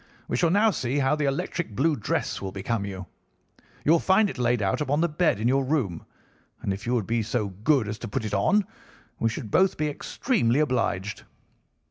We shall now see how the electric blue dress will become you. You will find it laid out upon the bed in your room, and if you would be so good as to put it on we should both be extremely obliged.